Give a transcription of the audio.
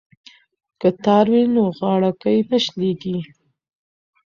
که تار وي نو غاړکۍ نه شلیږي.